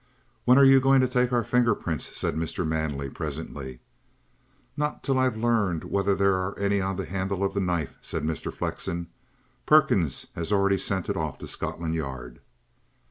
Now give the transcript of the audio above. "When are you going to take our finger prints?" said Mr. Manley presently. "Not till I've learned whether there are any on the handle of the knife," said Mr. Flexen. "Perkins has already sent it off to Scotland Yard."